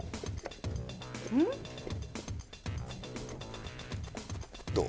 うん？どう？